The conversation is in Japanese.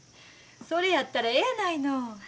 それやったらえやないの。